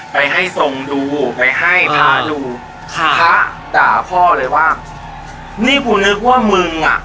ไปให้ทรงดูไปให้พระดูค่ะพระด่าพ่อเลยว่านี่กูนึกว่ามึงอ่ะ